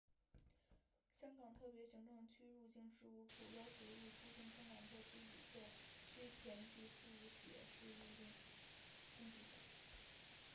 香港特别行政区入境事务处要求入出境香港特区旅客须填具复写式入出境登记表。